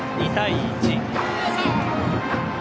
２対１。